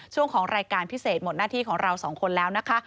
ช่วงของรายการพิเศษหมดหน้าที่ของเราสองคนแล้วนะคะ